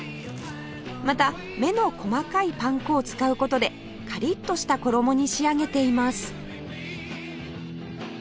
また目の細かいパン粉を使う事でカリッとした衣に仕上げています